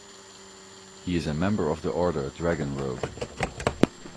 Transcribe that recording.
He is a member of the order Dragon Rouge.